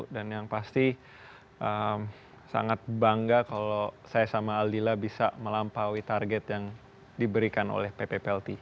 dan yang pasti sangat bangga kalau saya sama aldila bisa melampaui target yang diberikan oleh ppplt